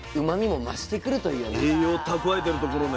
栄養たくわえてるところね。